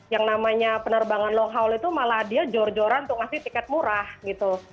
yang namanya penerbangan long haul itu malah dia jor joran untuk ngasih tiket murah gitu